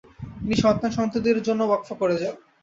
তিনি সন্তান-সন্ততিদের জন্য ওয়াকফ করে যান।